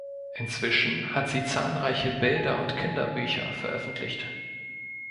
Inzwischen hat sie zahlreiche Bilder- und Kinderbücher veröffentlicht.